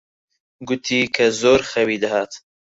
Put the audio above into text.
گوتی کە زۆر خەوی دەهات.